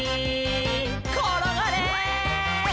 「ころがれ！」